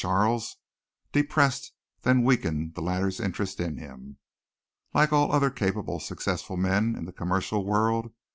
Charles, depressed and then weakened the latter's interest in him. Like all other capable, successful men in the commercial world M.